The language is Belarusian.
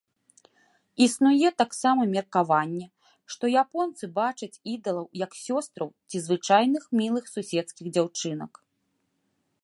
Існуе таксама меркаванне, што японцы бачаць ідалаў як сёстраў ці звычайных мілых суседскіх дзяўчынак.